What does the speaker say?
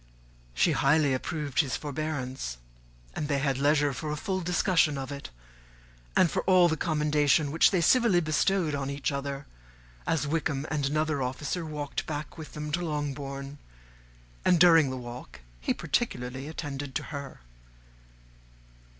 She highly approved his forbearance; and they had leisure for a full discussion of it, and for all the commendations which they civilly bestowed on each other, as Wickham and another officer walked back with them to Longbourn, and during the walk he particularly attended to her.